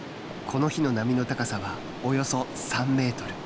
この日の波の高さはおよそ３メートル。